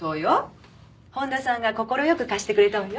本田さんが快く貸してくれたわよ。